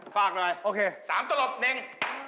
ฝากหน่อยสามตะหล่อนึง